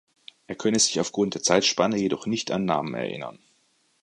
Er könne sich aufgrund der Zeitspanne jedoch nicht an Namen erinnern.